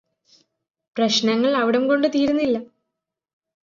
പ്രശ്നങ്ങള് അവിടം കൊണ്ടു തീരുന്നില്ല.